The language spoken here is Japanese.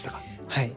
はい。